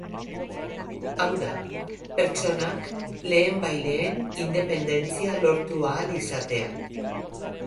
Hau da, pertsonak lehenbailehen independentzia lortu ahal izatea.